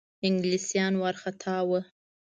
انګلیسیان وارخطا وه.